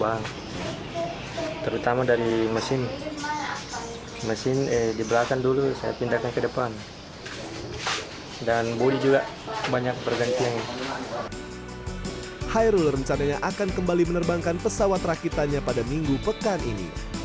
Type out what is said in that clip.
hai ruler rencananya akan kembali menerbangkan pesawat rakitannya pada minggu pekan ini